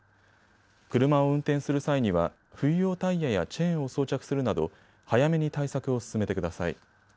車を運転する際には冬用タイヤやチェーンを装着するなど早めに対策を進めてください。